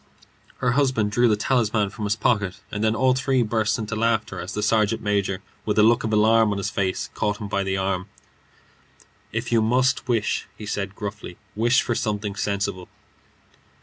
Her husband drew the talisman from pocket, and then all three burst into laughter as the sergeant major, with a look of alarm on his face, caught him by the arm. "If you must wish," he said, gruffly, "wish for something sensible."